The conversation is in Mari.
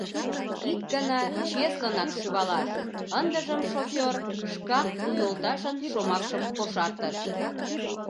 —... ик гана чеслынак шӱвалаш, — ындыжым шофёр шкак у йолташын шомакшым кошартыш.